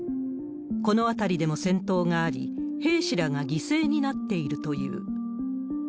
この辺りでも戦闘があり、兵士らが犠牲になっているという。